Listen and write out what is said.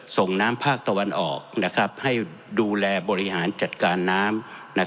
ส่งน้ำภาคตะวันออกให้ดูแลบริหารจัดการน้ำ